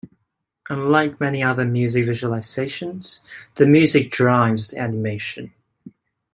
Unlike many other music visualizations, the music drives the animation.